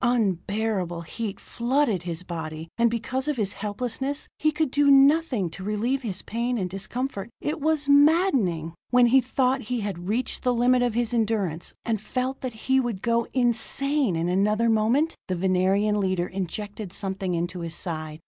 Unbearable heat flooded his body. And because of his helplessness, he could do nothing to relieve his pain and discomfort. It was maddening! When he thought he had reached the limit of his endurance, and felt that he would go insane in another moment, the Venerian leader injected something into his side.